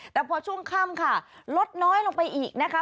แต่พอช่วงค่ำค่ะลดน้อยลงไปอีกนะคะ